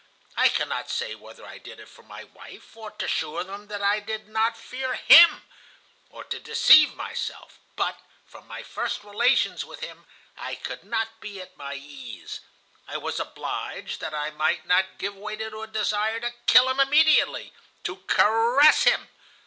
I cannot say whether I did it for my wife, or to show him that I did not fear him, or to deceive myself; but from my first relations with him I could not be at my ease. I was obliged, that I might not give way to a desire to kill him immediately, to 'caress' him.